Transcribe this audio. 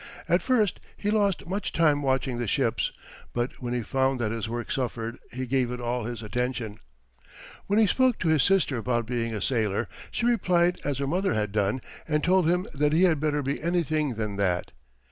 At first he lost much time watching the ships, but when he found that his work suffered, he gave it all his attention. When he spoke to his sister about being a sailor, she replied as her mother had done, and told him that he had better be anything than that.